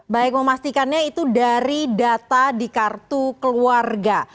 baik memastikannya itu dari data di kartu keluarga